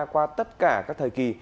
qua tất cả các thời kỳ